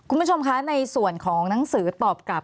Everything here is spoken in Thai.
คุณผู้ชมคะในส่วนของหนังสือตอบกลับ